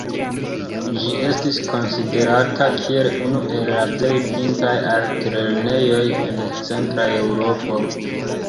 Ĝi estis konsiderata kiel unu el la plej pintaj altlernejoj en Centra Eŭropo.